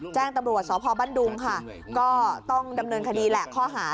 แจ้งตำรวจสพบั้นดุงค่ะก็ต้องดำเนินคดีแหละข้อหา